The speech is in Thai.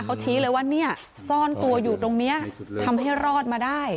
เขาชี้เลยว่าเนี่ยซ่อนตัวอยู่ตรงนี้ทำให้รอดมาได้